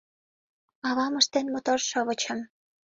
Авам ыштен мотор шовычым